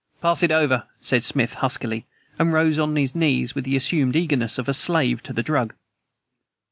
"Pass it over," said Smith huskily, and rose on his knees with the assumed eagerness of a slave to the drug.